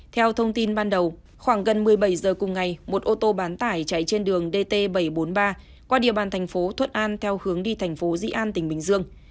theo thông tin ban đầu khoảng gần một mươi bảy giờ cùng ngày một ô tô bán tải chạy trên đường dt bảy trăm bốn mươi ba qua địa bàn thành phố thuận an theo hướng đi thành phố dĩ an tỉnh bình dương